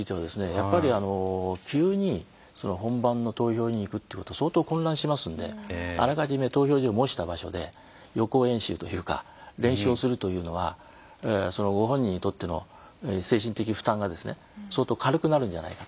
やっぱりあの急に本番の投票に行くってことは相当混乱しますんであらかじめ投票所を模した場所で予行演習というか練習をするというのはご本人にとっての精神的負担がですね相当軽くなるんじゃないかと。